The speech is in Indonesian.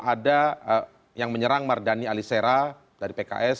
ada yang menyerang mardani alisera dari pks